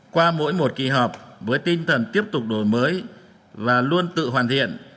qua mỗi một kỳ họp với tinh thần tiếp tục đổi mới và luôn tự hoàn thiện